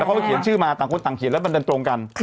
เขาเขียนชื่อมาต่างคนต่างเขียนแล้วมันดันตรงกัน